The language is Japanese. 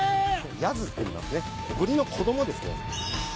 ヤズっていいますねブリの子供ですね。